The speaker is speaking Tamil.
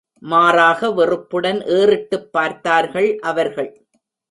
மாறாக வெறுப்புடன் ஏறிட்டுப் பார்த்தார்கள் அவர்கள்.